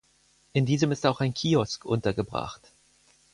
In diesem ist auch ein Kiosk untergebracht.